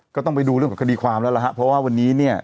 ก็ต้องไปดูเรื่องของคดีความแล้วล่ะฮะเพราะว่าวันนี้เนี่ย